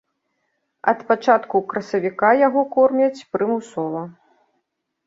Ад пачатку красавіка яго кормяць прымусова.